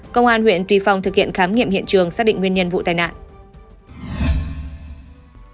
công an huyện tuy phong thực hiện khám nghiệm hiện trường xác định nguyên nhân vụ tai nạn